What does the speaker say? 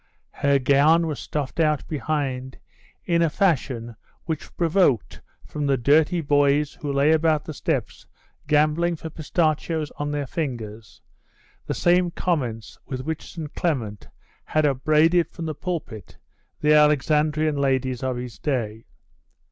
Her gown was stuffed out behind in a fashion which provoked from the dirty boys who lay about the steps, gambling for pistachios on their fingers, the same comments with which St. Clement had upbraided from the pulpit the Alexandrian ladies of his day.